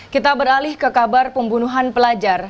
kita beralih ke kabar pembunuhan pelajar